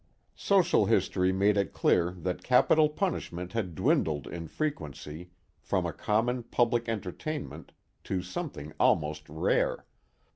Social history made it clear that capital punishment had dwindled in frequency from a common public entertainment to something almost rare.